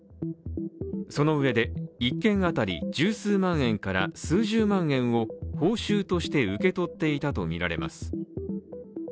そのうえで１件当たり十数万円から数十万円を報酬として受け取っていたとみられます。